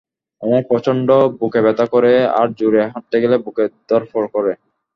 আমার প্রচন্ড বুকে ব্যথা করে আর জোরে হাঁটতে গেলে বুক ধরফর করে।